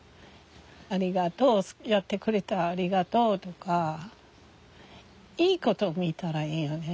ありがとうやってくれてありがとうとかいいこと見たらいいよね。